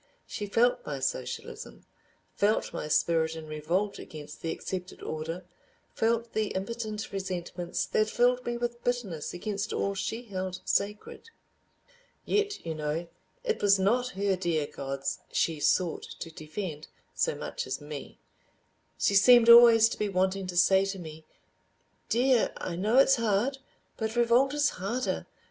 She felt my socialism, felt my spirit in revolt against the accepted order, felt the impotent resentments that filled me with bitterness against all she held sacred. Yet, you know, it was not her dear gods she sought to defend so much as me! She seemed always to be wanting to say to me, "Dear, I know it's hard—but revolt is harder.